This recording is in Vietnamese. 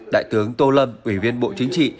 đại tướng tô lâm ủy viên bộ chính trị